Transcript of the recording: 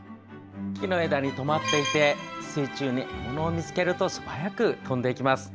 木の枝に止まっていて水中に獲物を見つけると素早く飛んでいきます。